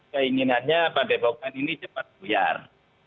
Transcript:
keinginannya pak depokan ini cepat buyar